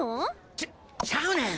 ちゃちゃうねん！